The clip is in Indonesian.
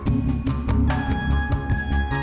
ikan asin jambal roti